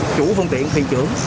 chủ phương tiện thuyền trưởng